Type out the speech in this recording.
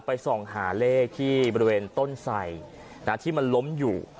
ส่องหาเลขที่บริเวณต้นไสที่มันล้มอยู่